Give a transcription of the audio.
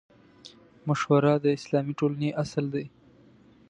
مشوره د اسلامي ټولنې اصل دی.